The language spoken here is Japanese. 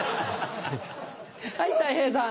はいたい平さん。